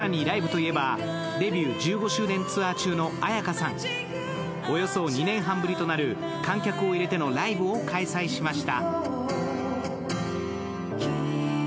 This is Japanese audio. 更にライブといえばデビュー１５周年ツア−中の絢香さん、およそ２年半ぶりとなる観客を入れてのライブを開催しました。